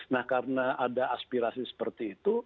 nah karena ada aspirasi seperti itu